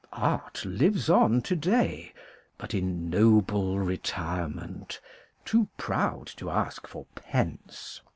Art lives on to day, but in noble re tirement, too proud to ask for pence.